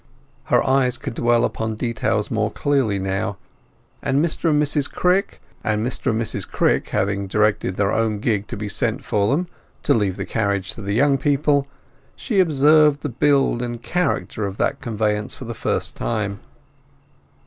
Her eyes could dwell upon details more clearly now, and Mr and Mrs Crick having directed their own gig to be sent for them, to leave the carriage to the young couple, she observed the build and character of that conveyance for the first time.